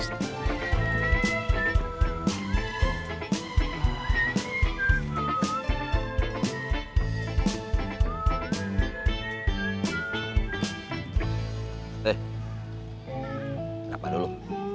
eh kenapa dulu